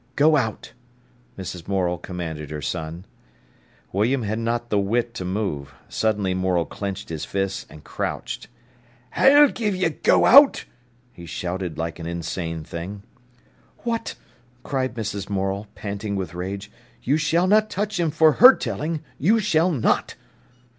"Go out!" Mrs. Morel commanded her son. William had not the wit to move. Suddenly Morel clenched his fist, and crouched. "I'll gi'e him 'go out'!" he shouted like an insane thing. "What!" cried Mrs. Morel, panting with rage. "You shall not touch him for her telling, you shall not!"